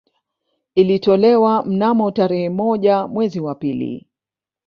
Ilitolewa mnamo tarehe moja mwezi wa pili